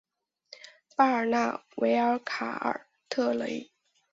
巴尔纳维尔卡尔特雷。